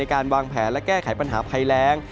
การวางแผนและแก้ไขปัญหาภัยแรง